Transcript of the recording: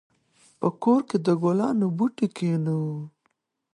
په کور کې د ګلانو بوټي کېنوو.